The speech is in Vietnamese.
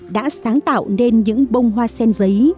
đã sáng tạo nên những bông hoa sen giấy